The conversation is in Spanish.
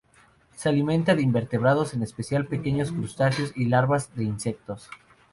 Se alimenta de invertebrados, en especial pequeños crustáceos y larvas de insectos.